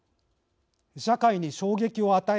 社会に衝撃を与え